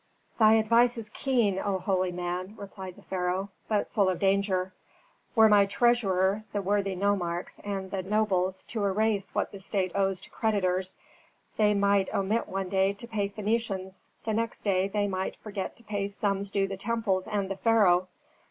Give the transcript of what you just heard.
"Thy advice is keen, O holy man," replied the pharaoh, "but full of danger. Were my treasurer, the worthy nomarchs, and the nobles, to erase what the state owes to creditors, they might omit one day to pay Phœnicians, the next day they might forget to pay sums due the temples and the pharaoh.